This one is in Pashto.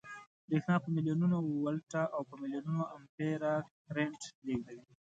برېښنا په ملیونونو ولټه او په ملیونونو امپیره کرنټ لېږدوي